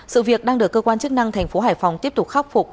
sự việc đang được cơ quan chức năng thành phố hải phòng tiếp tục khắc phục